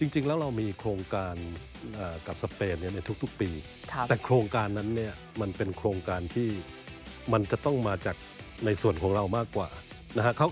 จริงแล้วเรามีโครงการกับสเปนในทุกปีแต่โครงการนั้นเนี่ยมันเป็นโครงการที่มันจะต้องมาจากในส่วนของเรามากกว่านะครับ